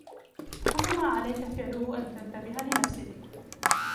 كل ما عليك فعله أن تنتبه لنفسك.